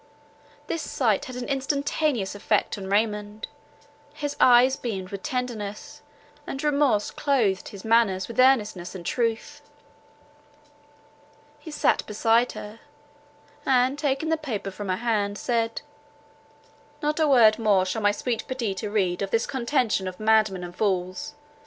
This sight had an instantaneous effect on Raymond; his eyes beamed with tenderness, and remorse clothed his manners with earnestness and truth. He sat beside her; and, taking the paper from her hand, said, "Not a word more shall my sweet Perdita read of this contention of madmen and fools.